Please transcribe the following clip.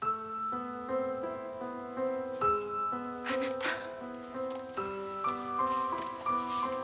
あなた。